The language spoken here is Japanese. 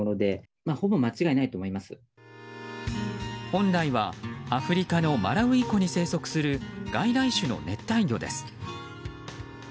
本来はアフリカのマラウイ湖に生息する外来種の熱帯魚です。